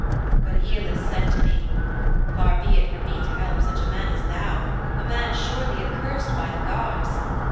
"' 'But Æolus said to me, "Far be it from me to help such a man as thou a man surely accursed by the gods.